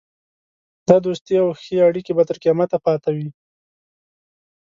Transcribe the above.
دا دوستي او ښې اړېکې به تر قیامته پاته وي.